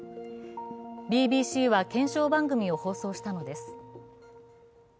ＢＢＣは検証番組を放送したのです。